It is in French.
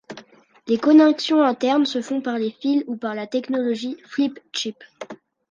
Les connexions internes se font par fils ou par la technologie flip chip.